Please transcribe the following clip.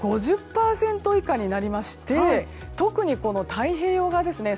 ５０％以下になりまして特にこの太平洋側ですね